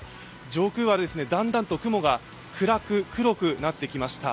上空はだんだんと雲が暗く、黒くなってきました。